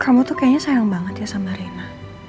kamu tuh kayaknya sayang banget ya sama rena